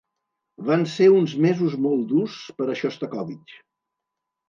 Van ser uns mesos molt durs per a Xostakóvitx.